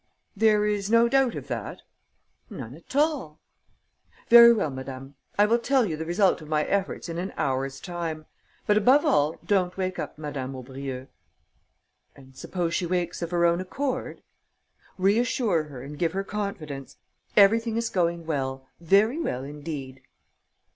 "There is no doubt of that?" "None at all." "Very well, madame. I will tell you the result of my efforts in an hour's time. But above all, don't wake up Madame Aubrieux." "And suppose she wakes of her own accord?" "Reassure her and give her confidence. Everything is going well, very well indeed."